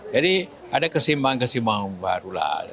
jadi ada kesimbangan kesimbangan baru lah